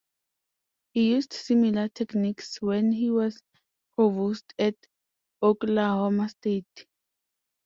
He used similar techniques when he was provost at Oklahoma State.